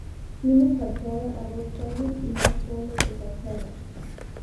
Tiene fachada a dos calles y más fondo que fachada.